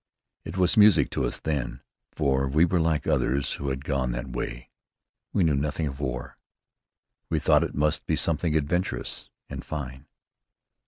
It was music to us then; for we were like the others who had gone that way. We knew nothing of war. We thought it must be something adventurous and fine.